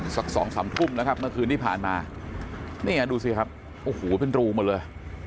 สักสองสามทุ่มนะครับเมื่อคืนที่ผ่านมานี่ไงดูสิครับโอ้โหเป็นรูหมดเลย